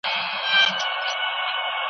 آيا حق تل پر باطل باندي غالب دی؟